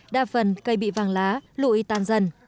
đa phần cây bị vàng lá lụi tan dần